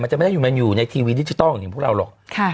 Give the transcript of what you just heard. จะไม่ได้อยู่ในทีวีดิจิทัลอย่างพวกเราหรอก